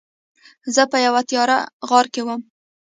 زه په یوه تیاره غار کې وم.